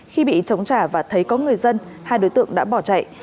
khi bị chống trả và thấy có người dân hai đối tượng đã bỏ chạy